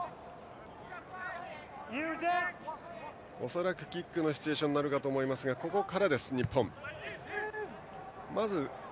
恐らくキックのシチュエーションになるかと思いますがここからです、日本。